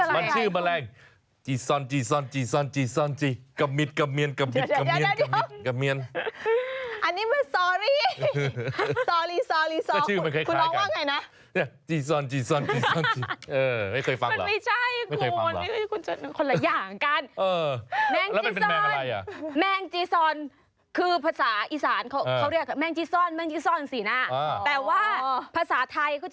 เพราะมันชื่ออะไร